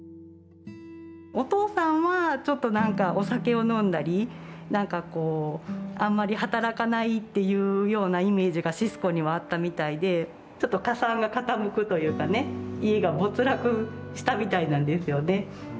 お父さんはちょっと何かお酒を飲んだり何かこうあんまり働かないっていうようなイメージがシスコにはあったみたいでちょっと家産が傾くというかね家が没落したみたいなんですよね。